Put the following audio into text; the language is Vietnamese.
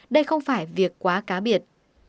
đây không phải việc quá cá biệt